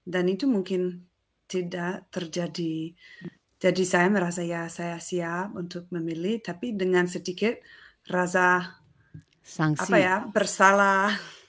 dan itu mungkin tidak terjadi jadi saya merasa ya saya siap untuk memilih tapi dengan sedikit rasa bersalah